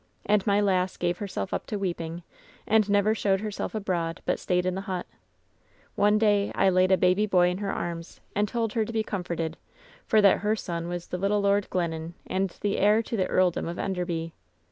And my lass gave herself up to weeping, and never showed herself abroad, but stayed in the hut. One day I laid a baby boy in her arms and told her to be com forted, for that her son was the little Lord Glennon and the heir to the Earldom of Enderby.